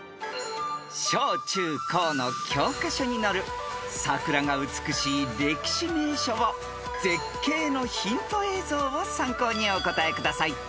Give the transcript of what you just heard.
［小中高の教科書に載る桜が美しい歴史名所を絶景のヒント映像を参考にお答えください］